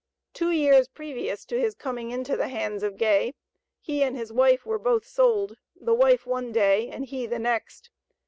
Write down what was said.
Two years previous to his coming into the hands of Gay, he and his wife were both sold; the wife one day and he the next.